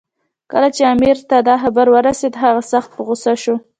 کله چې امیر ته دا خبر ورسېد، هغه سخت په غوسه شو.